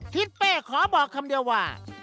ทิศเป้ขอบอกคำเดียวว่า